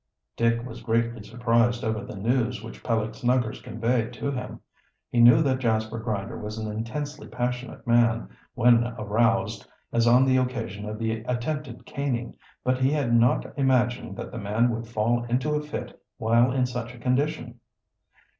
Dick was greatly surprised over the news which Peleg Snuggers conveyed to him. He knew that Jasper Grinder was an intensely passionate man when aroused, as on the occasion of the attempted caning, but he had not imagined that the man would fall into a fit while in such a condition.